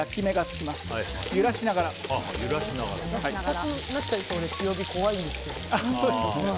かたくなっちゃいそうで強火怖いんですよ。